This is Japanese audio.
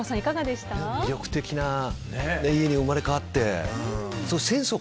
魅力的な家に生まれ変わって。